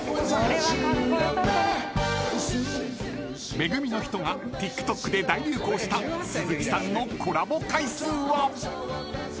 ［『め組のひと』がＴｉｋＴｏｋで大流行した鈴木さんのコラボ回数は？］